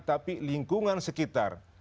tapi lingkungan sekitar